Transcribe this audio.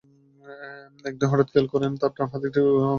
একদিন হঠাৎ খেয়াল করেন তাঁর ডান হাতের একটি আঙুলে ক্ষতের সৃষ্টি হয়েছে।